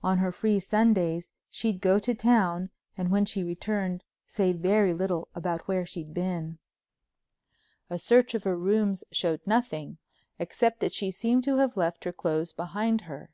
On her free Sundays she'd go to town and when she returned say very little about where she'd been. A search of her rooms showed nothing, except that she seemed to have left her clothes behind her.